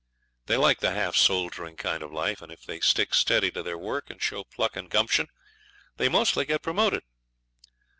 They like the half soldiering kind of life, and if they stick steady at their work, and show pluck and gumption, they mostly get promoted.